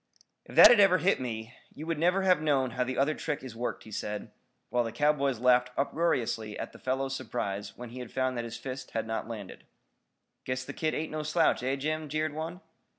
"If that had ever hit me, you never would have known how the other trick is worked," he said, while the cowboys laughed uproariously at the fellow's surprise when he found that his fist had not landed. "Guess the kid ain't no slouch, eh, Jim?" jeered one.